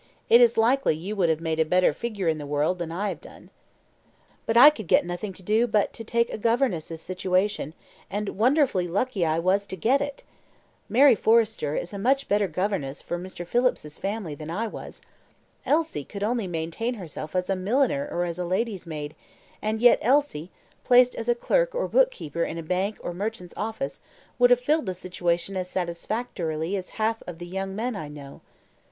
It is likely you would have made a better figure in the world than I have done." "But I could get nothing to do but to take a governess's situation; and wonderfully lucky I was to get it. Mary Forrester is a much better governess for Mr. Phillips's family than I was. Elsie could only maintain herself as a milliner or as a lady's maid; and yet Elsie, placed as a clerk or bookkeeper in a bank or merchant's office, would have filled the situation as satisfactorily as half the young men I know."